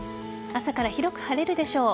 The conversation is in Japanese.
朝から広く晴れるでしょう。